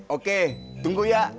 oke tunggu ya